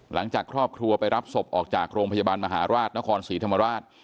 หลังจากครอบครัวไปรับศพออกจากโรงพยาบาลมหาราชนครศรีธรรมราช